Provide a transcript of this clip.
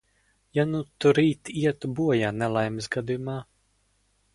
Ja nu tu rīt ietu bojā nelaimes gadījumā?